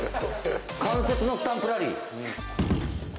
関節のスタンプラリー。